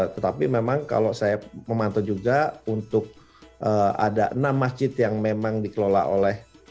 tetapi memang kalau saya memantau juga untuk ada enam masjid yang memang dikelola oleh